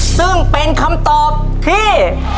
ซึ่งเป็นคำตอบที่